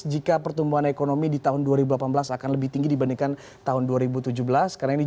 jika pertumbuhan ekonomi di tahun dua ribu delapan belas akan lebih tinggi dibandingkan tahun dua ribu tujuh belas karena ini